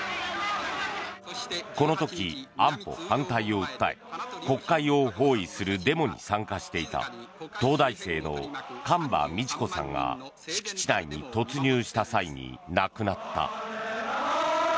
この時、安保反対を訴え国会を包囲するデモに参加していた東大生の樺美智子さんが敷地内に突入した際に亡くなった。